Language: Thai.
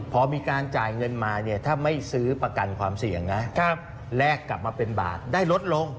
พอมีการจ่ายเงินมาเนี่ยถ้าไม่ซื้อประกันความเสี่ยงนะแลกกลับมาเป็นบาทได้ลดลง